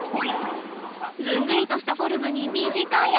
ずんぐりとしたフォルムに短い足。